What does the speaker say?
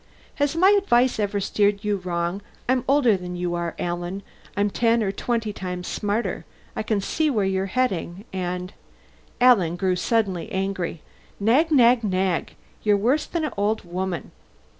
"Has my advice ever steered you wrong? I'm older than you are, Alan, and ten or twenty times smarter. I can see where you're heading. And " Alan grew suddenly angry. "Nag, nag, nag! You're worse than an old woman!